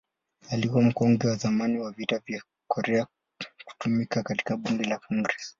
Alikuwa mkongwe wa zamani wa Vita vya Korea kutumikia katika Bunge la Congress.